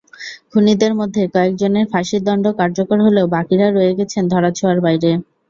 খুনিদের মধ্যে কয়েকজনের ফাঁসির দণ্ড কার্যকর হলেও বাকিরা রয়ে গেছেন ধরা-ছোঁয়ার বাইরে।